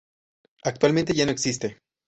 Actualmente ya no existe.